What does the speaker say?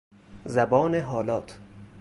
زبان حالات